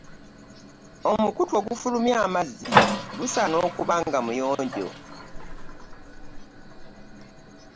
Omukutu ogufulumya amazzi gusaana okuba nga muyonjo.